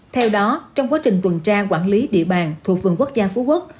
theo đó trong quá trình tuần tra quản lý địa bàn thuộc vườn quốc gia phú quốc